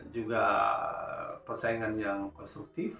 juga persaingan yang konstruktif